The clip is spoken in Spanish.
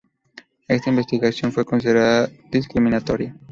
Esta investigación fue considerada "discriminatoria".